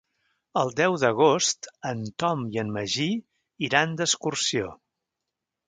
El deu d'agost en Tom i en Magí iran d'excursió.